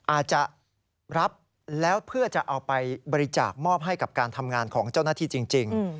อาจจะรับแล้วเพื่อจะเอาไปบริจาคมอบให้กับการทำงานของเจ้าหน้าที่จริง